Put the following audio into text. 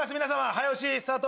早押しスタート。